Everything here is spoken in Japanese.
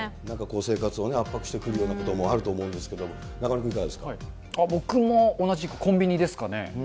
なんかこう、生活を圧迫してくるようなこともあると思うんで僕も同じくコンビニですかね。